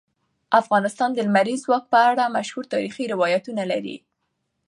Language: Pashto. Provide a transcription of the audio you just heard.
افغانستان د لمریز ځواک په اړه مشهور تاریخی روایتونه لري.